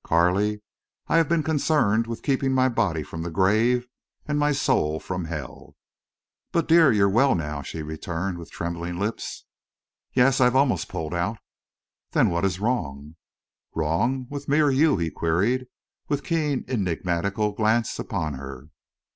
Carley, I have been concerned with keeping my body from the grave and my soul from hell." "But—dear—you're well now?" she returned, with trembling lips. "Yes, I've almost pulled out." "Then what is wrong?" "Wrong?—With me or you," he queried, with keen, enigmatical glance upon her.